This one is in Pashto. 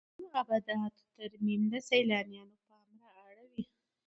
د لرغونو ابداتو ترمیم د سیلانیانو پام را اړوي.